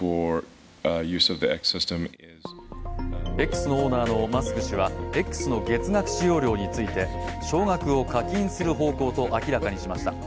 Ｘのオーナーのマスク氏は、Ｘの月額使用料について少額を課金する方向と明らかにしました。